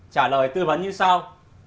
trả lời tư vấn như sau